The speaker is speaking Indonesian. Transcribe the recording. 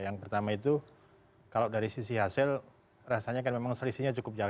yang pertama itu kalau dari sisi hasil rasanya kan memang selisihnya cukup jauh